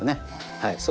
はい。